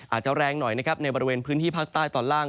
อาจจะแรงหน่อยนะครับในบริเวณพื้นที่ภาคใต้ตอนล่าง